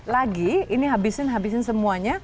lagi ini habisin habisin semuanya